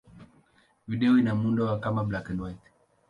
Video ina muundo wa kama black-and-white.